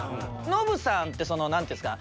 ノブさんってその何ていうんですか。